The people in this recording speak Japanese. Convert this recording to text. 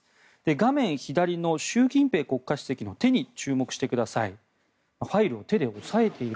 画面左の習近平国家主席の手に注目してください。